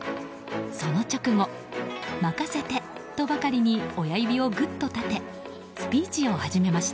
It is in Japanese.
その直後、任せてとばかりに親指をぐっと立てスピーチを始めました。